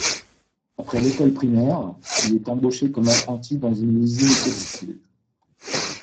Après l’école primaire, il est embauché comme apprenti dans une usine textile.